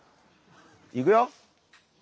いくよ！